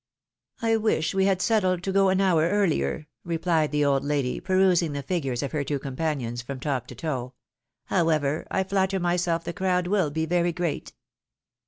I wish we had settled to go an hour earlier," replied the old lady, perusing the figures of her companions from top to toe ;" however, I flatter myself the crowd will be very great."